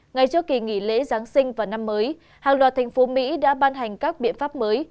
ngay trước kỳ nghỉ lễ giáng sinh và năm mới hàng loạt thành phố mỹ đã ban hành các biện pháp mới